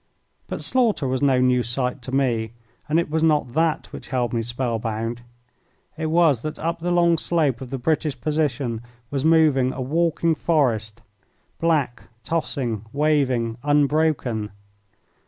But slaughter was no new sight to me, and it was not that which held me spellbound. It was that up the long slope of the British position was moving a walking forest black, tossing, waving, unbroken.